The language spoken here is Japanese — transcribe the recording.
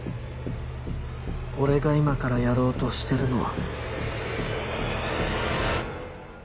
俺が今からやろうとしてるのは。